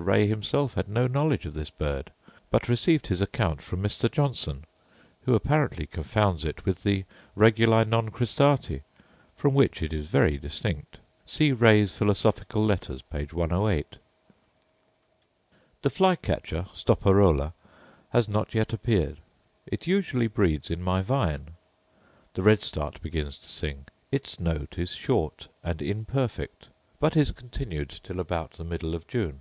Ray himself had no knowledge of this bird, but received his account from Mr. Johnson, who apparently confounds it with the reguli non cristati, from which it is very distinct. See Ray's Philosophical Letters, p. 108. The fly catcher (stoparola) has not yet appeared: it usually breeds in my vine. The redstart begins to sing: its note is short and imperfect, but is continued till about the middle of June.